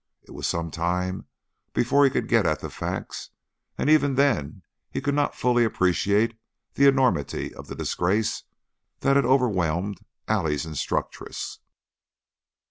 It was some time before he could get at the facts, and even then he could not fully appreciate the enormity of the disgrace that had overwhelmed Allie's instructress.